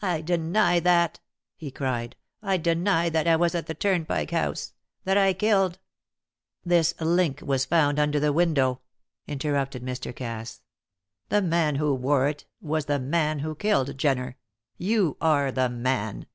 "I deny that," he cried. "I deny that I was at the Turnpike House that I killed " "This link was found under the window," interrupted Mr. Cass. "The man who wore it was the man who killed Jenner; you are the man!"